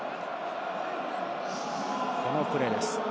このプレーです。